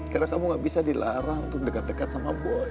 karena kamu gak bisa dilarang untuk dekat dekat sama boy